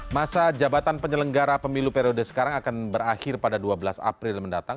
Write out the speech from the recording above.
masa jabatan penyelenggara pemilu periode sekarang akan berakhir pada dua belas april mendatang